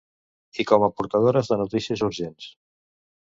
I com a portadores de notícies urgents.